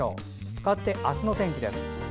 かわって、明日の天気です。